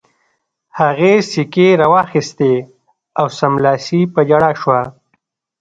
هغې سیکې را واخیستې او سملاسي په ژړا شوه